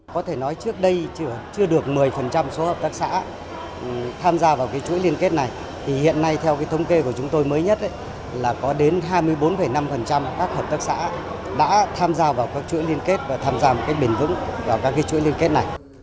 ba mươi bốn năm các hợp tác xã đã tham gia vào các chuỗi liên kết và tham gia một cách bền vững vào các chuỗi liên kết này